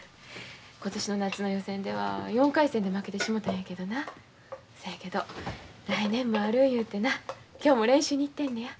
今年の夏の予選では４回戦で負けてしもたんやけどなそやけど来年もある言うてな今日も練習に行ってんねや。